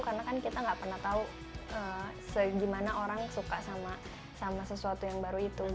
karena kan kita nggak pernah tahu gimana orang suka sama sesuatu yang baru itu